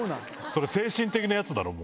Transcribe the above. それ精神的なやつだろ。